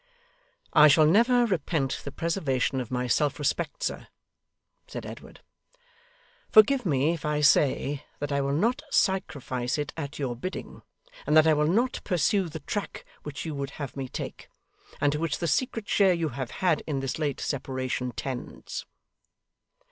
'I shall never repent the preservation of my self respect, sir,' said Edward. 'Forgive me if I say that I will not sacrifice it at your bidding, and that I will not pursue the track which you would have me take, and to which the secret share you have had in this late separation tends.